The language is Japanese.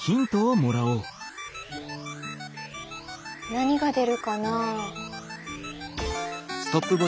何が出るかな。